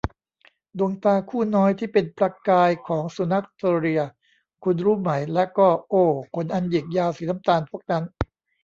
ดวงตาคู่น้อยที่เป็นประกายของสุนัขเทอร์เรีย คุณรู้ไหม และก็ โอ้ ขนอันหยิกยาวสีน้ำตาลพวกนั้น !